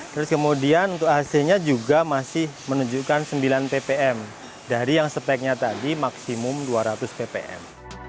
terus kemudian untuk ac nya juga masih menunjukkan sembilan ppm dari yang speknya tadi maksimum dua ratus ppm